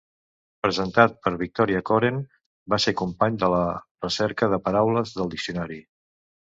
Presentat per Victoria Coren, va ser company de la recerca de paraules del diccionari.